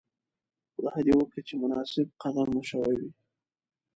خدای دې وکړي چې مناسب قدر مو شوی وی.